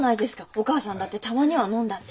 お母さんだってたまには飲んだって。